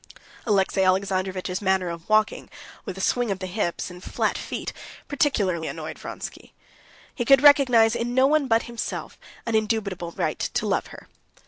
Alexey Alexandrovitch's manner of walking, with a swing of the hips and flat feet, particularly annoyed Vronsky. He could recognize in no one but himself an indubitable right to love her.